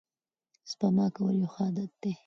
سپما کول یو ښه عادت دی.